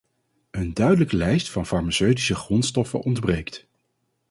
Een duidelijke lijst van farmaceutische grondstoffen ontbreekt.